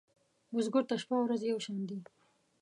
بزګر ته شپه ورځ یو شان دي